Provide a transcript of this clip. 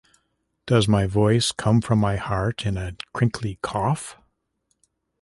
Does my voice come from my heart in a crinkly cough?